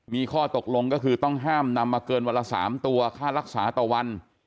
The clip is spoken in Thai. มีข้อตกลงก็คือต้องห้ามนำมาเกินวันละ๓ตัวค่ารักษาต่อวัน